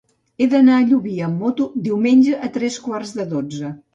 He d'anar a Llubí amb moto diumenge a tres quarts de dotze.